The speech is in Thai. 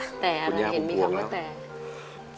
แต่เราเห็นมีคำว่าแต่